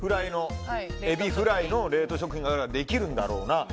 エビフライの冷凍食品があるからできるんだろうなと。